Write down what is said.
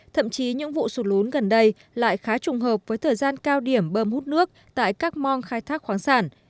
thậm chí những vụ sụt lún gần đây lại khá trùng hợp với thời gian cao điểm bơm hút nước tại các mòn khai thác khoáng sản